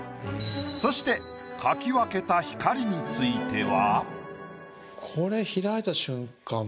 そして描き分けた光については。